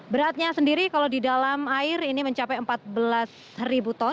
beratnya sendiri kalau di dalam air ini mencapai empat belas ribu ton